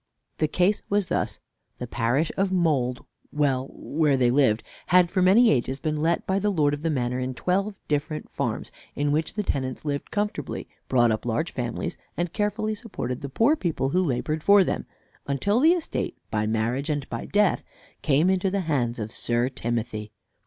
The case was thus: The parish of Mould well, where they lived, had for many ages been let by the lord of the manor in twelve different farms, in which the tenants lived comfortably, brought up large families, and carefully supported the poor people who labored for them, until the estate by marriage and by death came into the hands of Sir Timothy.